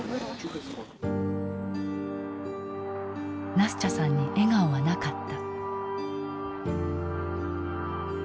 ナスチャさんに笑顔はなかった。